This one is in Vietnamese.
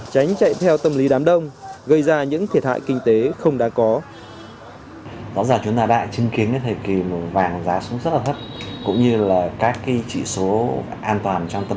tránh chạy theo tâm lý đám đông gây ra những thiệt hại kinh tế không đáng có